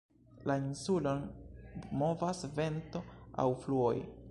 La insulon movas vento aŭ fluoj.